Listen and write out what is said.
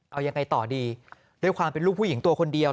เอายังไงต่อดีด้วยความเป็นลูกผู้หญิงตัวคนเดียว